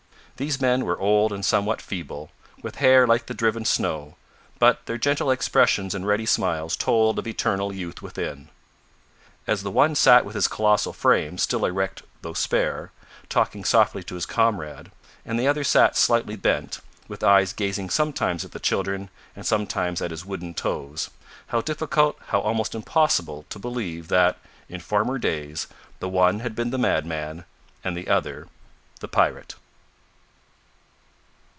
These men were old and somewhat feeble, with hair like the driven snow, but their gentle expressions and ready smiles told of eternal youth within. As the one sat with his colossal frame still erect though spare, talking softly to his comrade, and the other sat slightly bent, with eyes gazing sometimes at the children, and sometimes at his wooden toes, how difficult how almost impossible, to believe that, in former days, the one had been the madman, and the other the pirate!